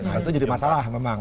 nah itu jadi masalah memang